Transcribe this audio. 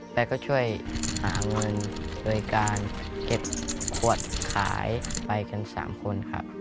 แกก็ช่วยหาเงินโดยการเก็บขวดขายไปกัน๓คนครับ